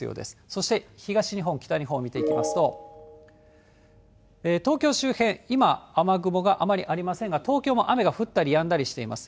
そして東日本、北日本を見ていきますと、東京周辺、今、雨雲があまりありませんが、東京も雨が降ったりやんだりしています。